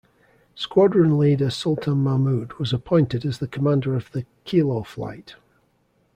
Squadron Leader Sultan Mahmud was appointed as the commander of the 'Kilo Flight'.